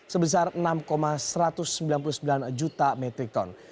sebesar enam satu ratus sembilan puluh sembilan juta metrik ton